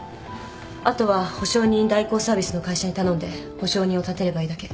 後は保証人代行サービスの会社に頼んで保証人を立てればいいだけ。